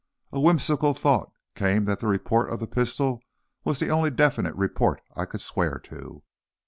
A whimsical thought came that the report of the pistol was the only definite report I could swear to!